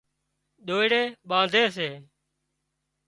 ۮوئيڙِي ٻانڌي سي